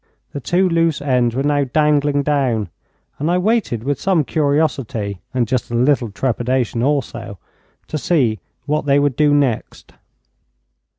The two loose ends were now dangling down, and I waited with some curiosity, and just a little trepidation also, to see what they would do next.